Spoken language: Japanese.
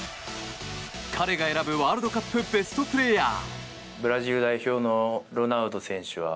彼が選ぶワールドカップベストプレーヤー。